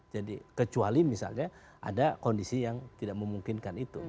jadi kecuali misalnya ada kondisi yang tidak memungkinkan itu